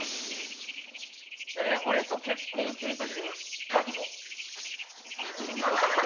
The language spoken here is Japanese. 俺と結婚するという覚悟！